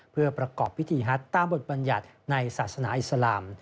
เพื่อประกอบพิธีฮัตตามบทบรรยัติในศาสนาอิสลาม